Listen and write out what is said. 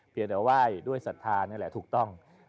เพียงแต่ไหว้ด้วยศรัทธานี่แหละถูกต้อง